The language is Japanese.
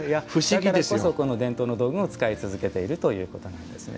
だからこそこの伝統の道具を使い続けているということなんですね。